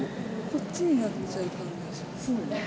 こっちになっちゃう感じです。